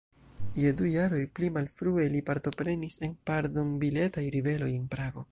Je du jaroj pli malfrue li partoprenis en pardon-biletaj ribeloj en Prago.